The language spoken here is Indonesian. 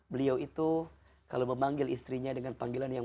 beliau itu kalau memanggil istrinya dengan panggilan yang